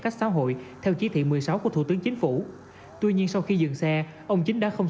cách xã hội theo chỉ thị một mươi sáu của thủ tướng chính phủ tuy nhiên sau khi dừng xe ông chính đã không